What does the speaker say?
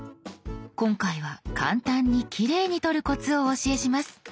今回は簡単にきれいに撮るコツをお教えします。